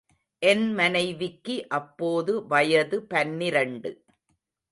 என் மனைவிக்கு அப்போது வயது பனிரண்டு .